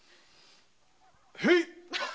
へい！